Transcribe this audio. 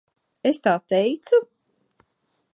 Es tā teicu?